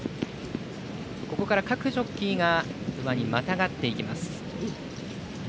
ここから、各ジョッキーが馬にまたがっていきます。